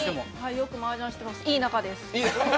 よくマージャンしてます、いい仲です。